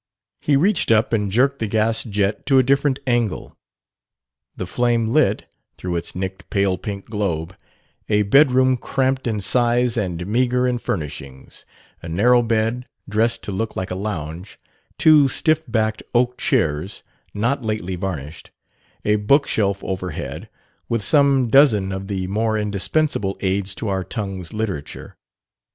He reached up and jerked the gas jet to a different angle. The flame lit, through its nicked, pale pink globe, a bedroom cramped in size and meagre in furnishings: a narrow bed, dressed to look like a lounge; two stiff backed oak chairs, not lately varnished; a bookshelf overhead, with some dozen of the more indispensable aids to our tongue's literature.